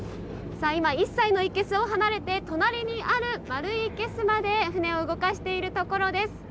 今、１歳のいけすを離れて隣にある丸いいけすまで船を動かしているところです。